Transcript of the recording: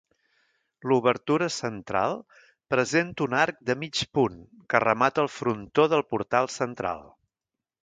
L'obertura central presenta un arc de mig punt que remata el frontó del portal central.